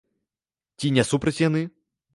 Ці не супраць яны?